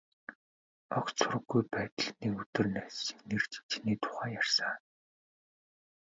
Огт сураггүй байтал нэг өдөр найз чинь ирж, чиний тухай ярьсан.